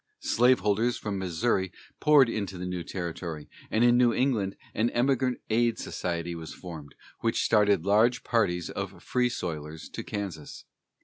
Slaveholders from Missouri poured into the new territory, and in New England an Emigrant Aid Society was formed, which started large parties of Free Soilers to Kansas.